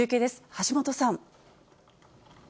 橋本さん。